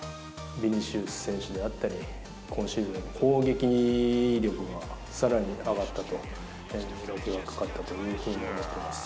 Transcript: ビニシウス選手であったり、今シーズン、攻撃力がさらに上がったと、磨きがかかったというふうに思っています。